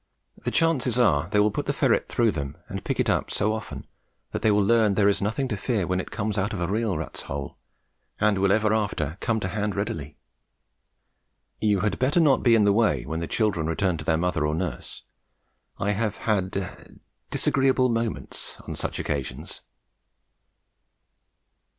The chances are they will put the ferret through them and pick it up so often, that it will learn there is nothing to fear when it comes out of a real rat's hole, and will ever after "come to hand" readily. You had better not be in the way when the children return to their mother or nurse. I have had disagreeable moments on such occasions.